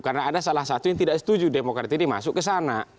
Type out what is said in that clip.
karena ada salah satu yang tidak setuju demokrat ini masuk ke sana